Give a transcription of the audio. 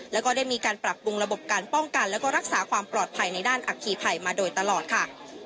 แล้วก็ได้มีการปรับปรุงระบบการป้องกันแล้วก็รักษาความปลอดภัยในด้านอัคคีภัยมาโดยตลอดค่ะ